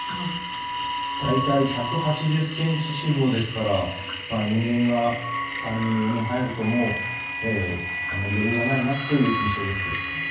大体１８０ｃｍ四方ですから人間が３人、４人入るとあまり余裕がないという印象です。